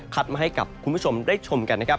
มาให้กับคุณผู้ชมได้ชมกันนะครับ